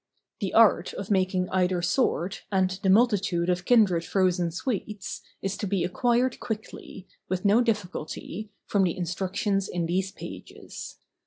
The art of making either sort, and the multitude of kindred frozen sweets, is to be acquired quickly, with no difficulty, from the instructions in these pages.